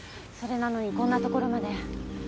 それなのにこんなところまで。